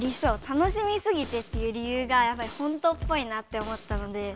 楽しみすぎてっていう理由がほんとっぽいなって思ったので。